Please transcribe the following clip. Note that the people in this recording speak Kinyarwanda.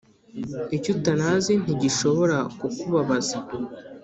Icyo utanazi ntigishobora kukubabaza